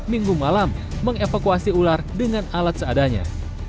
minggu malam mengevakuasi ular dengan alat seadanya